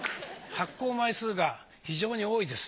発行枚数が非常に多いです。